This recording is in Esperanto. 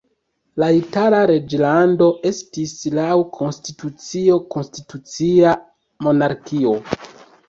La Itala reĝlando estis laŭ konstitucio konstitucia monarkio.